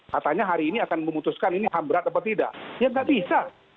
katanya hari ini akan memutuskan ini ham berat apa tidak ya nggak bisa